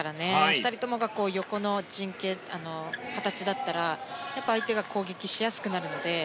２人ともが横の形だったら相手が攻撃しやすくなるので。